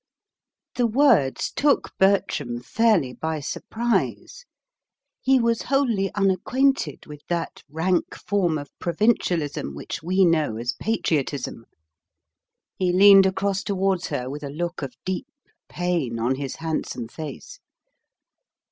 The words took Bertram fairly by surprise. He was wholly unacquainted with that rank form of provincialism which we know as patriotism. He leaned across towards her with a look of deep pain on his handsome face.